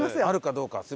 あるかどうか。